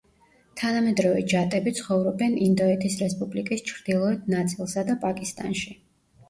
თანამედროვე ჯატები ცხოვრობენ ინდოეთის რესპუბლიკის ჩრდილოეთ ნაწილსა და პაკისტანში.